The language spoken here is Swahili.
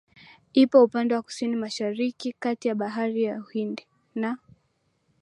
Iko upande wa Kusini Mashariki kati ya Bahari ya Uhindi na